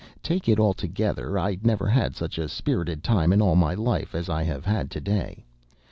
Take it altogether, I never had such a spirited time in all my life as I have had to day.